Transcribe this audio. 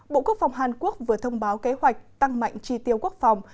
bộ quốc phòng hàn quốc vừa thông báo kế hoạch tăng mạnh tri tiêu quốc phòng